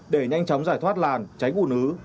để nhanh chóng giải thoát làn tránh bùn ứ